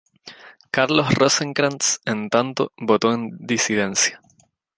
Carlos Rosenkrantz, en tanto, votó en disidencia.